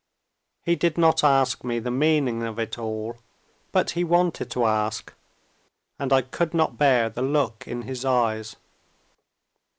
He did not ask me the meaning of it all, but he wanted to ask, and I could not bear the look in his eyes.